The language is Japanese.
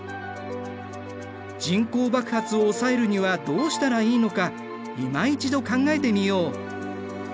人口爆発を抑えるにはどうしたらいいのかいま一度考えてみよう。